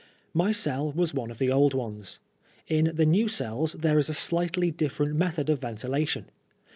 My cell was one of the old ones. In the new cells there is a slightly different method of ventilation.